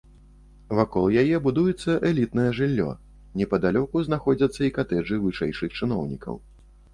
Вакол яе будуецца элітнае жыллё, непадалёку знаходзяцца і катэджы вышэйшых чыноўнікаў.